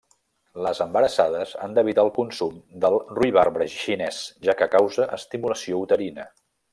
Les embarassades han d'evitar el consum del ruibarbre xinès, ja que causa estimulació uterina.